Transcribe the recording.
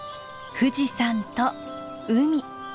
富士山と海。